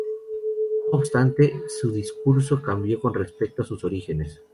No obstante, su discurso cambió con respecto a sus orígenes.